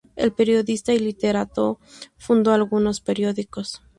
El periodista y literato, fundó algunos periódicos.